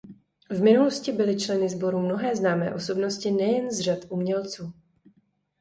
V minulosti byly členy sboru mnohé známé osobnosti nejen z řad umělců.